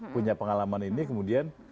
punya pengalaman ini kemudian